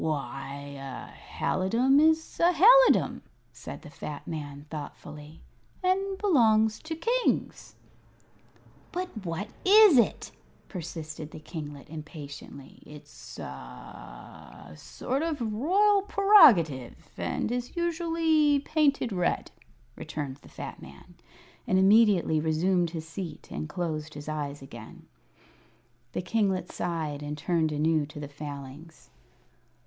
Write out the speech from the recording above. "Why, a halidom is a halidom," said the fat man, thoughtfully; "and belongs to kings." "But what is it?" persisted the kinglet, impatiently. "It's a a a sort of a royal prerogative, and is usually painted red," returned the fat man, and immediately resumed his seat and closed his eyes again. The kinglet sighed, and turned anew to the Failings.